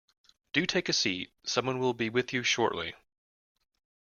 Do take a seat. Someone will be with you shortly.